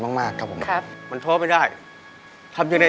เพราะได้ย้ำเข็ดหอด